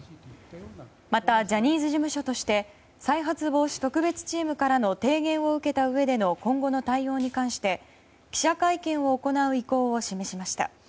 また、ジャニーズ事務所として再発防止特別チームからの提言を受けたうえでの今後の対応に関して記者会見を行う意向を示しました。